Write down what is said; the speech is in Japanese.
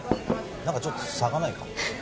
何かちょっと差がないか？